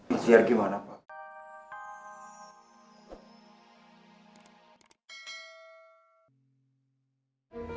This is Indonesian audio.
ikhtiar gimana pak